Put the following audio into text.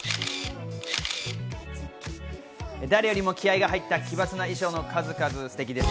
誰よりも気合いが入った奇抜な衣装の数々、すてきです。